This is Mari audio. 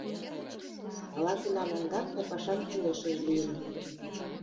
Ала-кунам ондак ты пашан кӱлешыже лийын.